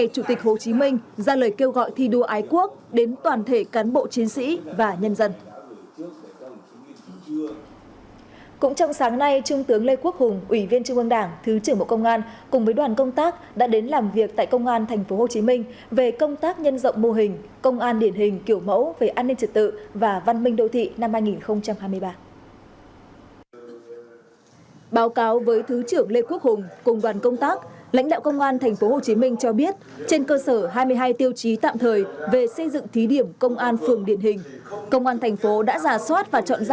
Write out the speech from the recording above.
trung tướng nguyễn duy ngọc ủy viên trung ương đảng thứ trưởng bộ công an đã tới dự lễ giao nhận quân tại thành phố đà lạt